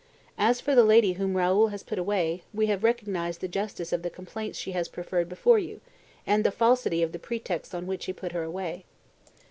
As for the lady whom Raoul has put away, we have recognized the justice of the complaints she has preferred before you, and the falsity of the pre texts on which he put her away."